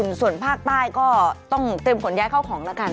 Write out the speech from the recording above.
อุ่นส่วนภาคใต้ก็ต้องเต็มผลแยกเข้าของแล้วกัน